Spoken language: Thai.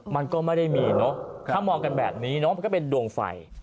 มันก็ไม่ได้มีเนอะถ้ามองกันแบบนี้เนาะมันก็เป็นดวงไฟ